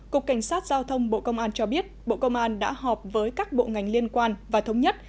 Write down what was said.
cục cảnh sát giao thông bộ công an cho biết bộ công an đã họp với các bộ ngành liên quan và thống nhất